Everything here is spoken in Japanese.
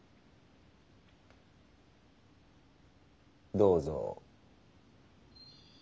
どうぞ。